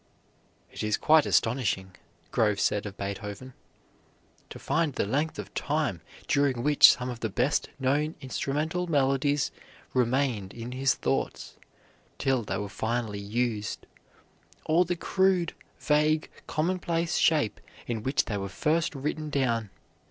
"It is quite astonishing," Grove said of Beethoven, "to find the length of time during which some of the best known instrumental melodies remained in his thoughts till they were finally used, or the crude, vague, commonplace shape in which they were first written down.